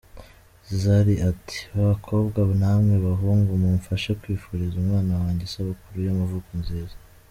Zari ati “Bakobwa namwe bahungu mumfashe kwifuriza umwana wanjye isabukuru y’amavuko nziza.